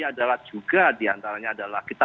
adalah juga diantaranya adalah kita